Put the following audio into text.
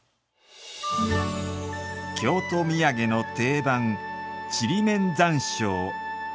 京都土産の定番「ちりめん山椒」。